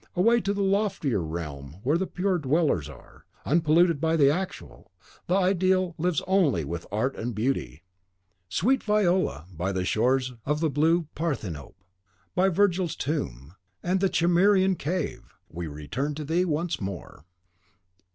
Away, to the loftier realm where the pure dwellers are. Unpolluted by the Actual, the Ideal lives only with Art and Beauty. Sweet Viola, by the shores of the blue Parthenope, by Virgil's tomb, and the Cimmerian cavern, we return to thee once more.